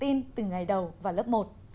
đến đây thì thời lượng dành cho trẻ chưa biết chữ